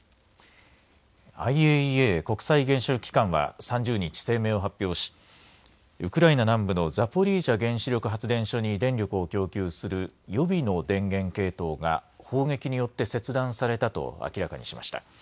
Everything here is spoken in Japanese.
ＩＡＥＡ＝国際原子力機関は３０日、声明を発表し、ウクライナ南部のザポリージャ原子力発電所に電力を供給する予備の電源系統が砲撃によって切断されたと明らかにしました。